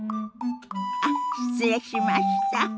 あっ失礼しました。